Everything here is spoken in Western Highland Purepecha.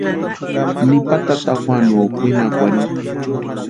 Nipa tata Juanuo kwinakwarhini.